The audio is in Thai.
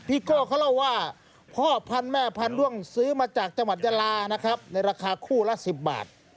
โก้เขาเล่าว่าพ่อพันธุ์แม่พันธ้วงซื้อมาจากจังหวัดยาลานะครับในราคาคู่ละ๑๐บาท